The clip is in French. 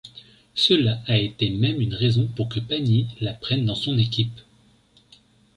Cela a été même une raison pour que Pagny la prenne dans son équipe.